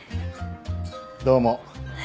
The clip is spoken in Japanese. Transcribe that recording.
どうも。